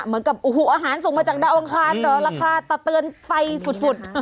เหมือนกับโอ้โหอาหารส่งมาจากดาวอังคารเหรอราคาตะเตือนไปสุด